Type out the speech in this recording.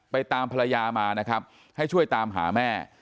ตามภรรยามานะครับให้ช่วยตามหาแม่